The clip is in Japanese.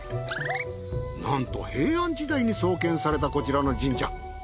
なんと平安時代に創建されたこちらの神社。